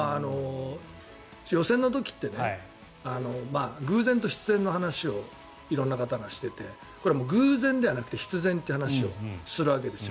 予選の時って偶然と必然の話を色んな方がしていてこれ、偶然ではなくて必然という話をするわけですよ。